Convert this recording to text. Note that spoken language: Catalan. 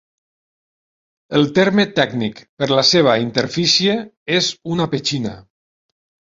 El terme tècnic per la seva interfície és una "petxina".